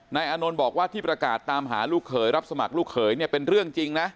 อานนท์บอกว่าที่ประกาศตามหาลูกเขยรับสมัครลูกเขยเนี่ยเป็นเรื่องจริงนะ